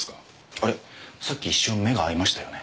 あれさっき一瞬目が合いましたよね。